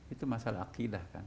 itu masalah akidah kan